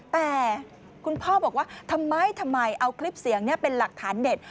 แต่คุณพ่อบอกว่าทำไมทำไมเอาคลิปเสียงเป็นหลักฐานเด็ด